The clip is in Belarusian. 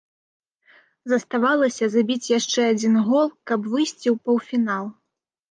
Заставалася забіць яшчэ адзін гол, каб выйсці ў паўфінал.